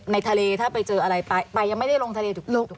ในทะเลถ้าไปเจออะไรไปไปยังไม่ได้ลงทะเลถูกลง